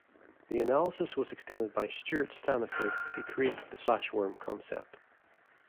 The analysis was extended by Stuart Staniford to create the flash worm concept.